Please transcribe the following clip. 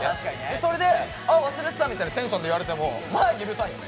それで忘れてたみたいなテンションで言われてもまあ許さんよね。